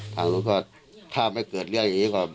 ทางนู้นก็ถ้าไม่เกิดเรื่องอย่างนี้ก็